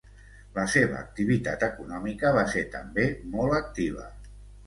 La seva activitat econòmica va ser també molt activa.